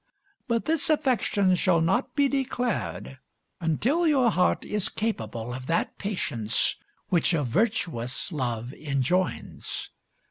But this affection shall not be declared until your heart is capable of that patience which a virtuous love enjoins.